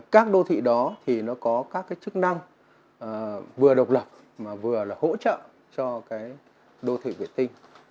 các đô thị đó thì nó có các cái chức năng vừa độc lập mà vừa là hỗ trợ cho cái đô thị vệ tinh